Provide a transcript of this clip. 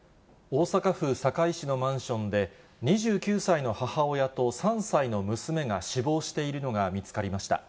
大阪府堺市のマンションで、２９歳の母親と３歳の娘が死亡しているのが見つかりました。